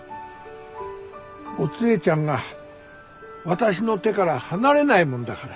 お杖ちゃんが私の手から離れないもんだから。